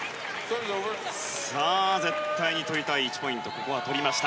さあ、絶対に取りたい１ポイント取りました。